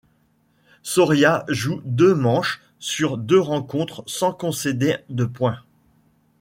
Soria joue deux manches sur deux rencontres sans concéder de points.